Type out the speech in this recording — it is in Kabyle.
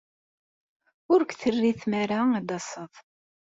Ur k-terri ara tmara ad d-taseḍ.